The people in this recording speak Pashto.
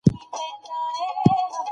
سلام، ډیره مننه